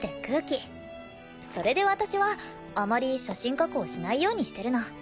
それで私はあまり写真加工しないようにしてるの。